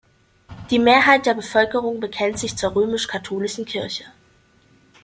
Die Mehrheit der Bevölkerung bekennt sich zur römisch-katholischen Kirche.